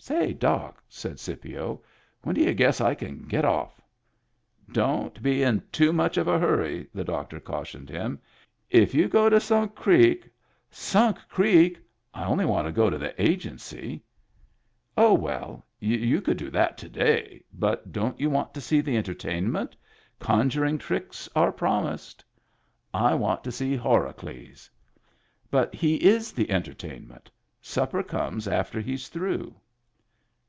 " Say, doc," said Scipio, " when d' y'u guess I can get off ?" "Don't be in too much of a hurry," the doctor cautioned him. " If you go to Sunk Creek —"" Sunk Creek ! I only want • to go to the Agency." " Oh, well, you could do that to day — but don't you want to see the entertainment ? Con juring tricks are pmmised." Digitized by Google 38 MEMBERS OF THE FAMILY " I want to see Horacles." " But he is the entertainment Supper comes after he's through."